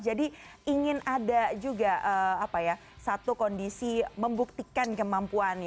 jadi ingin ada juga apa ya satu kondisi membuktikan kemampuan